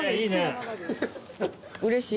うれしい。